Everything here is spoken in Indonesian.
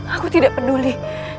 aku tidak peduli